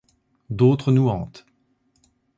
D’autres nous hantent.